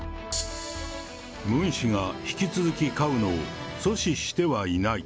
ムン氏が引き続き飼うのを阻止してはいない。